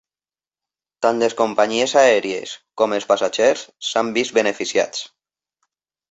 Tant les companyies aèries com els passatgers s"han vist beneficiats.